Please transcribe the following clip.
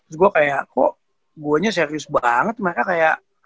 terus gue kayak kok gue nya serius banget mereka kayak